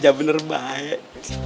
ya bener baik